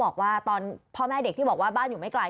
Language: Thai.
พ่อตอนไปถามเด็กอ่ะน้องบอกอะไรแบบมั้ย